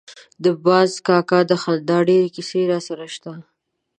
د باز کاکا د خندا ډېرې کیسې راسره شته.